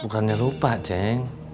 bukannya lupa jeng